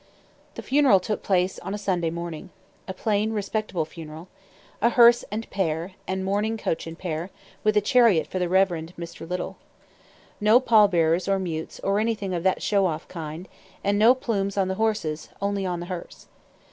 The funeral took place on a Sunday morning. A plain, respectable funeral. A hearse and pair, and mourning coach and pair, with a chariot for the Rev. Mr. Little. No pall bearers or mutes, or anything of that show off kind; and no plumes on the horses, only on the hearse.